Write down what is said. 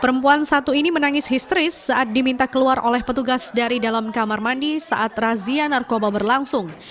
perempuan satu ini menangis histeris saat diminta keluar oleh petugas dari dalam kamar mandi saat razia narkoba berlangsung